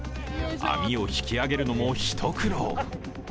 網を引き上げるのも一苦労。